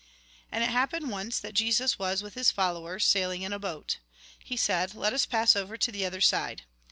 And it happened once that Jesus was, with his followers, sailing in a boat. He said :" Let us pass over to the other side."